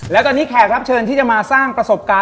และตอนนี้แขกรับเชิญที่จะมาสร้างประสบการณ์